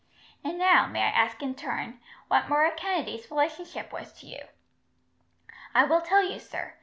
And now may I ask, in turn, what Murroch Kennedy's relationship was to you?" "I will tell you, sir.